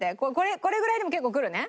これぐらいでも結構くるね？